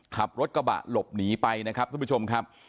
ขับรถกระบะหลบหนีไปนะครับทุกผู้ชมครับ